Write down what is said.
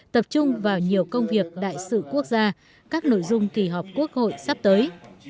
tập trung vào nhiều công việc đại sự quốc gia các nội dung kỳ họp quốc hội sắp tới